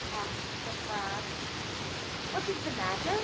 asked the frog. "What is the matter?